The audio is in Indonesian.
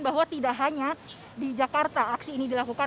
bahwa tidak hanya di jakarta aksi ini dilakukan